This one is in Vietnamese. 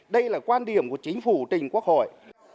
đây là quan điểm của chính phủ trình quốc hội